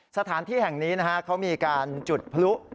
สถานที่แห่งนี้นะฮะเขามีการจุดพลุ